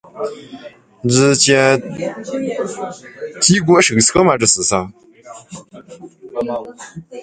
笠间稻荷神社是位于日本茨城县笠间市的神社。